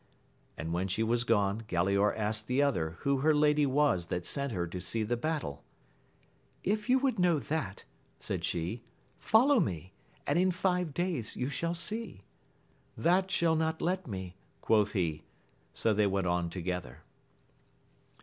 And when she was gone, Galaor asked the other who her lady was that sent her to see the battle) If you would know that, said she, follow me, and in five days you shall see. That shall not let me, quoth he. So they went on together.